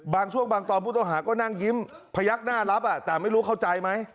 บางช่วงบางตอนผู้ต้องหาก็นั่งยิ้มพยักหน้ารับแต่ไม่รู้เข้าใจไหม